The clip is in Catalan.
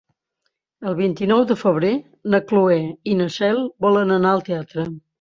El vint-i-nou de febrer na Cloè i na Cel volen anar al teatre.